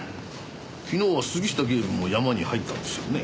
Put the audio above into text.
昨日は杉下警部も山に入ったんですよね？